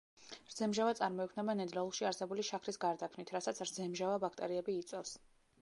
რძემჟავა წარმოიქმნება ნედლეულში არსებული შაქრის გარდაქმნით, რასაც რძემჟავა ბაქტერიები იწვევს.